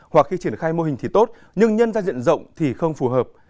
hoặc khi triển khai mô hình thì tốt nhưng nhân ra diện rộng thì không phù hợp